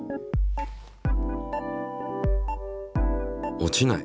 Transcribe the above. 落ちない！